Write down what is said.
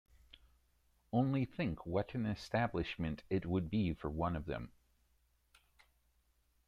Only think what an establishment it would be for one of them.